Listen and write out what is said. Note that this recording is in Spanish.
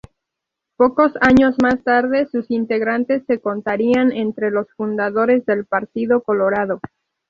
Pocos años más tarde sus integrantes se contarían entre los fundadores del Partido Colorado.